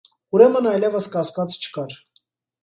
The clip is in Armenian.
Ուրեմն այլևս կասկած չկար.